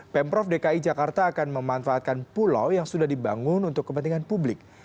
pemprov dki jakarta akan memanfaatkan pulau yang sudah dibangun untuk kepentingan publik